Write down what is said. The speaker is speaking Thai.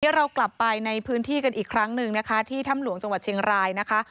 เรากลับไปในพื้นที่กันอีกครั้งหนึ่งนะคะที่ถ้ำหลวงจังหวัดเชียงรายนะคะ